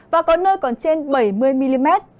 và có nơi còn trên bảy mươi mm